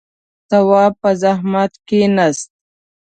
تواب په زحمت کېناست.